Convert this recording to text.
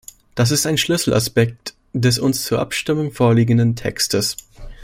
Das ist ein Schlüsselaspekt des uns zur Abstimmung vorliegenden Textes.